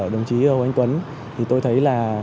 đồng chí hồ anh tuấn thì tôi thấy là